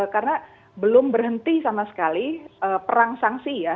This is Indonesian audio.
karena belum berhenti sama sekali perang sanksi ya